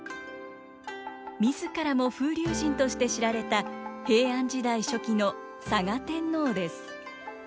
自らも風流人として知られた平安時代初期の嵯峨天皇です。